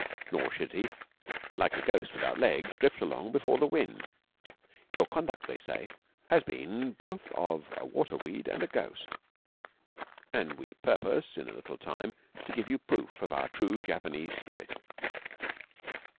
Nor should he 'like a ghost without legs drift along before the wind.' 'Your conduct,' they say, 'has been both of a waterweed and a ghost, and we purpose in a little time to give you proof of our true Japanese spirit.'